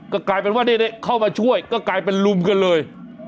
ก็กลายเป็นว่าเข้ามาช่วยก็กลายเป็นลุมกันเลย